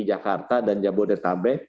jakarta dan jabodetabek